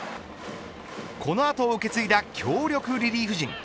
この後を受け継いだ強力リリーフ陣。